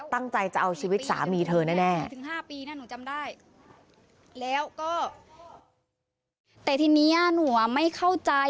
ตั้งใจจะเอาชีวิตสามีเธอแน่